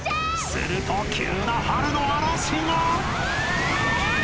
［すると急な春の嵐が］